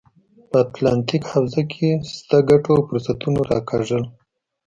په اتلانتیک حوزه کې شته ګټو او فرصتونو راکاږل.